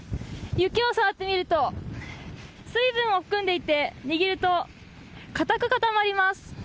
雪を触ってみると水分を含んでいて握ると、硬く固まります。